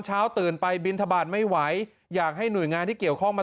ตื่นไปบินทบาทไม่ไหวอยากให้หน่วยงานที่เกี่ยวข้องมา